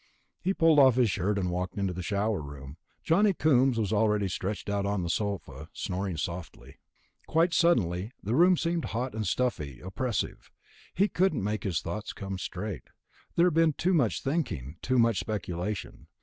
He pulled off his shirt and walked into the shower room. Johnny Coombs was already stretched out on the sofa, snoring softly. Quite suddenly the room seemed hot and stuffy, oppressive. He couldn't make his thoughts come straight. There had been too much thinking, too much speculation.